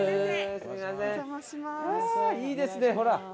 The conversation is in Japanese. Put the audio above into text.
いいですねほら。